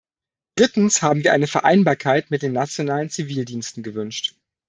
Drittens haben wir eine Vereinbarkeit mit den nationalen Zivildiensten gewünscht.